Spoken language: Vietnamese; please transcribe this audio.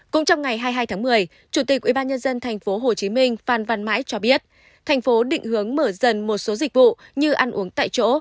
cũng trong ngày hai mươi hai tháng một mươi chủ tịch ubnd tp hcm phan văn mãi cho biết thành phố định hướng mở dần một số dịch vụ như ăn uống tại chỗ